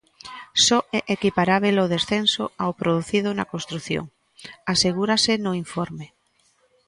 "Só é equiparábel o descenso ao producido na construción", asegúrase no informe.